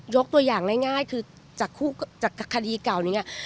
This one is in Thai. ยกตัวอย่างง่ายง่ายคือจากคู่จากคดีเก่านี้อ่ะ